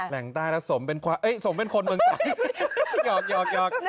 แหล่งใต้แล้วสมเป็นควายเอ้ยสมเป็นคนเมืองตรังหยอกหยอกหยอก